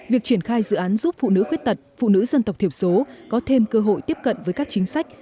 việc triển khai dự án giúp phụ nữ khuyết tật phụ nữ dân tộc thiểu số có thêm cơ hội tiếp cận với các chính sách